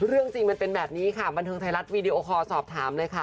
เรื่องจริงมันเป็นแบบนี้ค่ะบันเทิงไทยรัฐวีดีโอคอลสอบถามเลยค่ะ